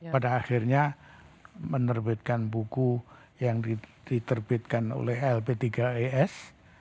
pada akhirnya menerbitkan buku yang diterbitkan oleh lp tiga es